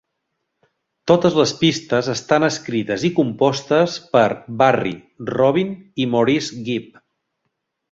Totes les pistes estan escrites i compostes per Barry, Robin i Maurice Gibb.